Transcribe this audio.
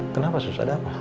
kenapa sus ada apa